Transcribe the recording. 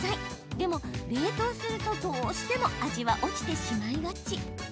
でも冷凍するとどうしても味は落ちてしまいがち。